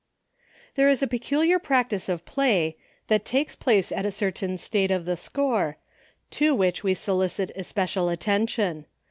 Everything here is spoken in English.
There is a peculiar practice of play, that takes place at a certain state of the score, to which we solicit especial attention.